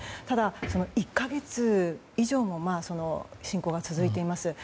ただ、１か月以上も侵攻が続いています。